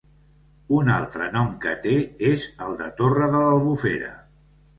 Un altre nom que té és el de Torre de l'Albufera.